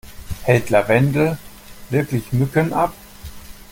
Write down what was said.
Hält Lavendel wirklich Mücken ab?